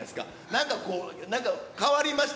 なんかこう、なんか変わりました？